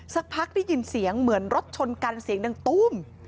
สักพักได้ยินเสียงเหมือนรถชนกันเสียงดังตุ้ม